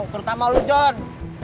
kereta mau lu jon